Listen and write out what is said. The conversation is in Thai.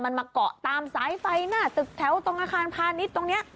มันมาเกาะตามสายไฟหน้าตึกแถวตรงอาคารพาณิชย์ตรงนี้